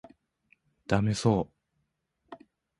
ダメそう